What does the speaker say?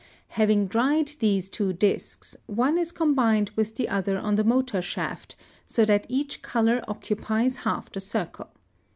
(108) Having dried these two discs, one is combined with the other on the motor shaft so that each color occupies half the circle.